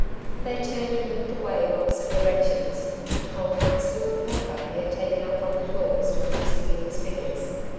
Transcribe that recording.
They turned and walked away in opposite direc tions, Tom with the slip of paper he had taken up from the floor still twisting in his fingers.